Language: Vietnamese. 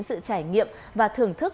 sự trải nghiệm và thưởng thức